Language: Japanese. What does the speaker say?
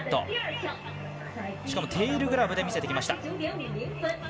しかもテールグラブで出してきました。